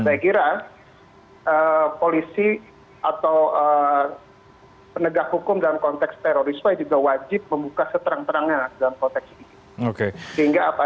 saya kira polisi atau penegak hukum dalam konteks terorisme juga wajib membuka seterang terangnya dalam konteks ini